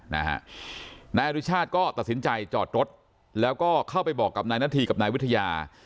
นายอรุชาติก็ตัดสินใจจอดรถแล้วก็เข้าไปบอกกับนายนาธีกับนายวิทยา